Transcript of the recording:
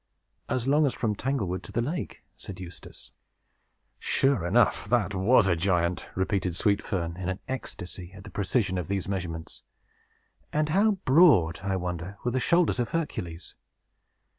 "As long as from Tanglewood to the lake," said Eustace. "Sure enough, that was a giant!" repeated Sweet Fern, in an ecstasy at the precision of these measurements. "And how broad, I wonder, were the shoulders of Hercules?"